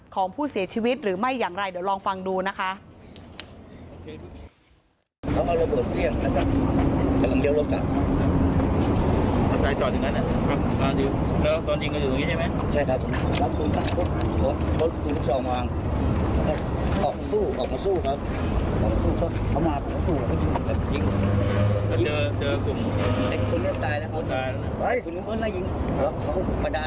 ของผู้เสียชีวิตหรือไม่อย่างไรเดี๋ยวลองฟังดูนะคะ